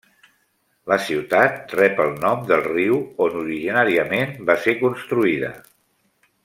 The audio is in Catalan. La ciutat rep el nom del riu on originàriament va ser construïda.